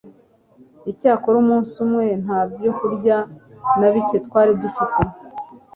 icyakora umunsi umwe nta byokurya na bike twari difite